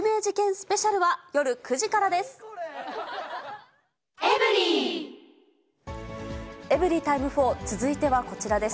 スペシャルは、夜９時からです。